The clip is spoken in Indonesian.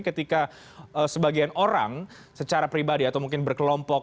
ketika sebagian orang secara pribadi atau mungkin berkelompok